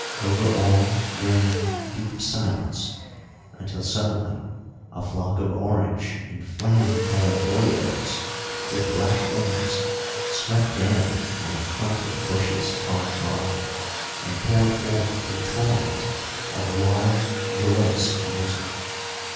Over all reigned deep silence; until, suddenly, a flock of orange and flame coloured orioles with black wings swept down on a clump of bushes hard by and poured forth a torrent of wild, joyous music.